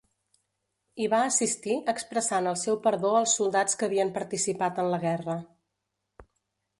Hi va assistir expressant el seu perdó als soldats que havien participat en la guerra.